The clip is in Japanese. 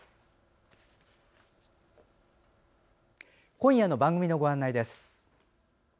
今夜の番組のご案内です。